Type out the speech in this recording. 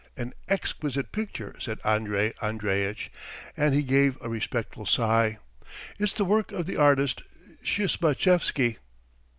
"An exquisite picture," said Andrey Andreitch, and he gave a respectful sigh. "It's the work of the artist Shismatchevsky."